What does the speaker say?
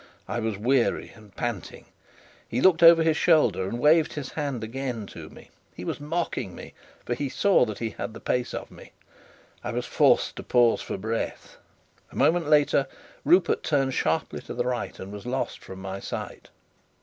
I was weary and panting; he looked over his shoulder and waved his hand again to me. He was mocking me, for he saw he had the pace of me. I was forced to pause for breath. A moment later, Rupert turned sharply to the right and was lost from my sight.